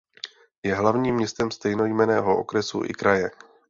Je hlavním městem stejnojmenného okresu i kraje.